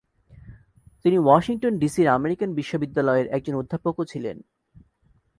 তিনি ওয়াশিংটন, ডিসির আমেরিকান বিশ্ববিদ্যালয়ের একজন অধ্যাপক ও ছিলেন।